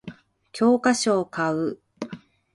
教科書を買う